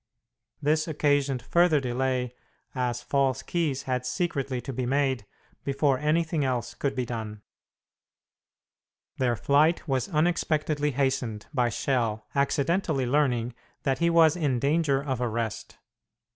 This occasioned further delay, as false keys had secretly to be made before anything else could be done. Their flight was unexpectedly hastened by Schell accidentally learning that he was in danger of arrest.